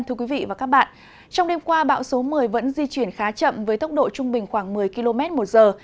trong đêm qua bão số một mươi vẫn di chuyển khá chậm với tốc độ trung bình khoảng một mươi km một giờ